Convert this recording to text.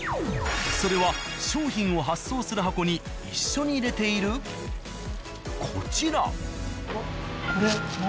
それは商品を発送する箱に一緒に入れているこちら。